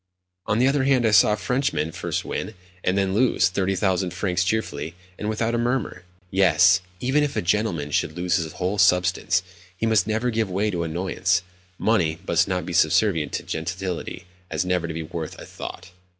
On the other hand, I saw a Frenchman first win, and then lose, 30,000 francs cheerfully, and without a murmur. Yes; even if a gentleman should lose his whole substance, he must never give way to annoyance. Money must be so subservient to gentility as never to be worth a thought.